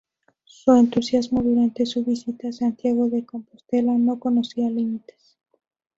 Su entusiasmo durante su visita a Santiago de Compostela no conocía límites.